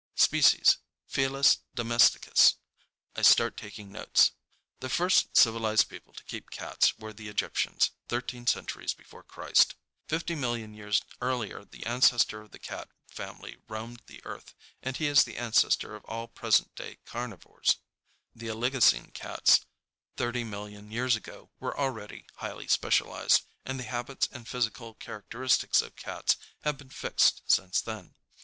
Species, Felis domesticus. I start taking notes: "'The first civilized people to keep cats were the Egyptians, thirteen centuries before Christ.... Fifty million years earlier the ancestor of the cat family roamed the earth, and he is the ancestor of all present day carnivores. The Oligocene cats, thirty million years ago, were already highly specialized, and the habits and physical characteristics of cats have been fixed since then.